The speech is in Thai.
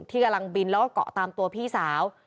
ที่กำลังบินแล้วก็เกาะตามตัวพี่สาว